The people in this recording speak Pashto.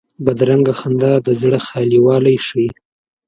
بدرنګه خندا د زړه خالي والی ښيي